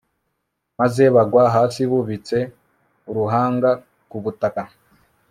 maze bagwa hasi bubitse uruhanga ku butaka